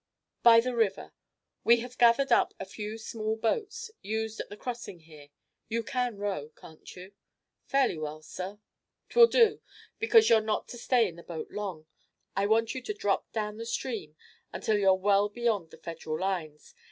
"By the river. We have gathered up a few small boats, used at the crossing here. You can row, can't you?" "Fairly well, sir." "'Twill do, because you're not to stay in the boat long. I want you to drop down the stream until you're well beyond the Federal lines.